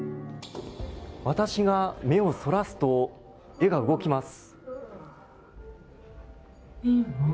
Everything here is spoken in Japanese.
私が目をそらすと絵が動きます。